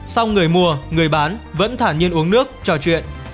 sau người mua người bán vẫn thả nhiên uống nước trò chuyện